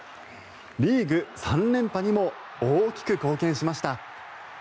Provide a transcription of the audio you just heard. リーグ３連覇にも大きく貢献しました。